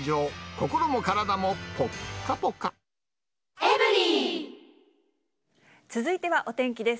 心も体続いてはお天気です。